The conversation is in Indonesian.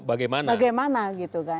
bagaimana gitu kan